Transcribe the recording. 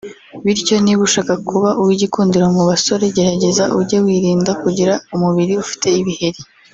Bityo niba ushaka kuba uw’igikundiro mu basore gerageza ujye wirinda kugira umubiri ufite ibiheri